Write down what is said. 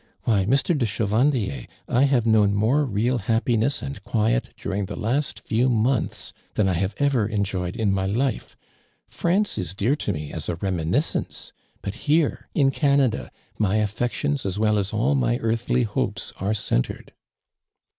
Why, Mr. de Chevandier, I have known mor(^ real liap piness and quiet during the last few montli* than I have ever enjoyed in my life. Franre is dear to me as a reminiscence, but here, in < 'anada, my affections as well as all my earthly hopes are centred